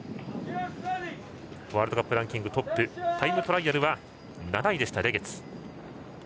ワールドカップランキングトップタイムトライアルは７位、レゲツ。